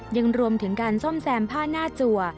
ยังรวมถึงการซ่อมแซมผ้าหน้าจัว